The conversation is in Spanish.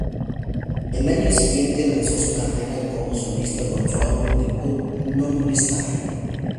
Al año siguiente, lanzó su carrera como solista con su álbum debut "No molestar!".